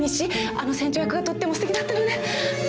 あの船長役がとってもすてきだったので。